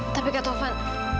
tapi kak tovan